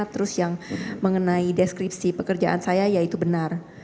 terus yang mengenai deskripsi pekerjaan saya ya itu benar